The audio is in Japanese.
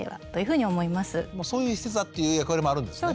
そういう施設だっていう役割もあるんですね。